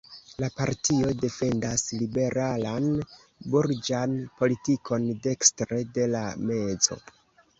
La partio defendas liberalan burĝan politikon dekstre de la mezo.